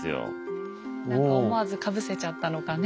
何か思わずかぶせちゃったのかね